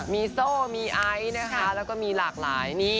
มีโซ่มีไอซ์นะคะแล้วก็มีหลากหลายนี่